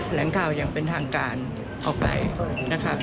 แหล่งข่าวอย่างเป็นทางการเข้าไปนะครับ